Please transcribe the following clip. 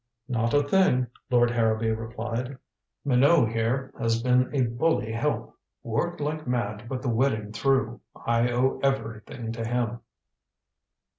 "Not a thing," Lord Harrowby replied. "Minot here has been a bully help worked like mad to put the wedding through. I owe everything to him."